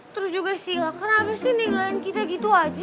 terus juga silahkan abis ini ngelelain kita gitu aja